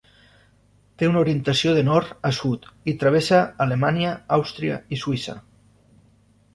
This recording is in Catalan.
Té una orientació de nord a sud i travessa Alemanya, Àustria i Suïssa.